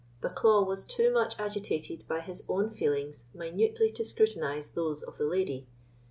Bucklaw was too much agitated by his own feelings minutely to scrutinise those of the lady.